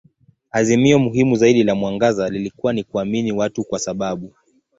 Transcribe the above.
Azimio muhimu zaidi la mwangaza lilikuwa ni kuamini watu kwa sababu.